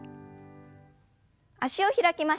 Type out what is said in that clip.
脚を開きましょう。